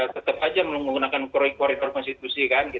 tetap aja menggunakan korektor konstitusi kan